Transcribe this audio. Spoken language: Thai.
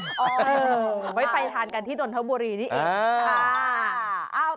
เอาไว้ไปทานกันที่ดนทบุรีนี่เอง